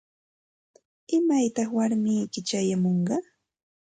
¿Imaytaq warmiyki chayamunqa?